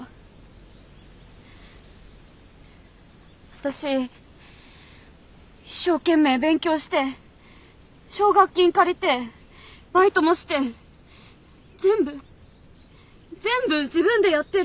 私一生懸命勉強して奨学金借りてバイトもして全部全部自分でやってる。